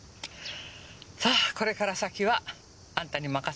さあこれから先はあんたに任せた。